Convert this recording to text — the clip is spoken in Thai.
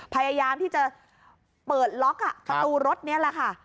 พยายามที่จะเปิดล็อกประตูรถนี้แหละค่ะ